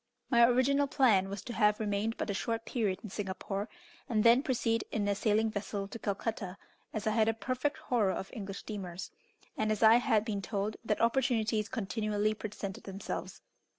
My original plan was to have remained but a short period in Singapore, and then proceed in a sailing vessel to Calcutta, as I had a perfect horror of English steamers, and as I had been told that opportunities continually presented themselves.